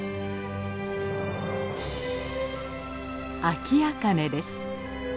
アキアカネです。